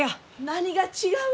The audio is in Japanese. ・何が違う？